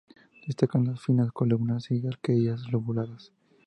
Destacan las finas columnas y arquerías lobuladas.